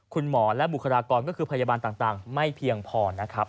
คุณหมอและบุคลากรก็คือพยาบาลต่างไม่เพียงพอนะครับ